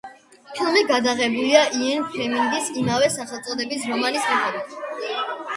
ფილმი გადაღებულია იენ ფლემინგის ამავე სახელწოდების რომანის მიხედვით.